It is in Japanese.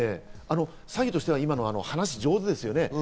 詐欺としては話が上手ですね。